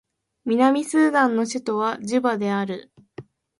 南スーダンの首都はジュバである